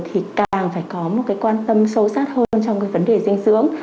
thì càng phải có một cái quan tâm sâu sát hơn trong cái vấn đề dinh dưỡng